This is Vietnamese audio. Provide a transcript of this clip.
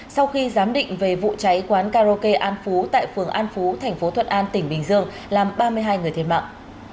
sau khi giám định về vụ cháy quán karaoke an phú tại phường an phú thành phố thuận an tỉnh bình dương làm ba mươi hai người thiệt mạng